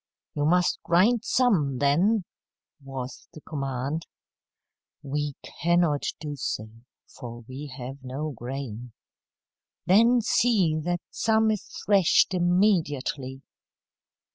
"You must grind some, then," was the command. "We cannot do so, for we have no grain." "Then see that some is threshed immediately."